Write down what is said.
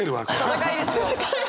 戦いですよ。